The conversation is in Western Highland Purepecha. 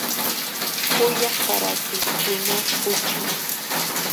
Ju ya parakini kwinani juchini.